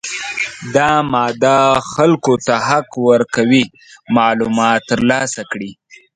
دا ماده خلکو ته حق ورکوي معلومات ترلاسه کړي.